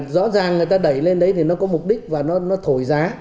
rõ ràng người ta đẩy lên đấy thì nó có mục đích và nó thổi giá